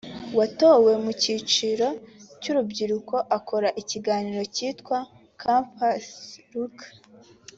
watowe mu cyiciro cy’urubyiruko akora ikiganiro cyitwa “Camps Luca”